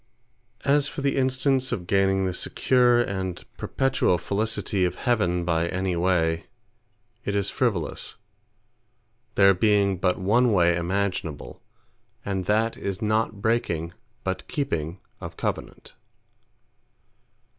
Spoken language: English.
As for the Instance of gaining the secure and perpetuall felicity of Heaven, by any way; it is frivolous: there being but one way imaginable; and that is not breaking, but keeping of Covenant.